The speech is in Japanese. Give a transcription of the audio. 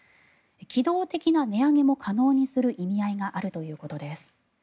機動的な値上げも可能にする意味合いがあるということです。